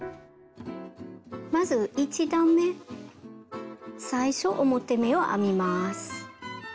まず１段め最初表目を編みます。